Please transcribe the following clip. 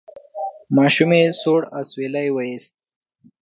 ماشومې سوړ اسویلی وایست: